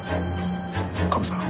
カメさん。